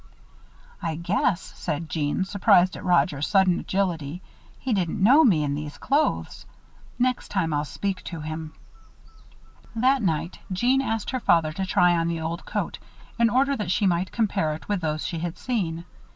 "I guess," said Jeanne, surprised at Roger's sudden agility, "he didn't know me in these clothes. Next time I'll speak to him." That night, Jeanne asked her father to try on the old coat, in order that she might compare it with those she had seen.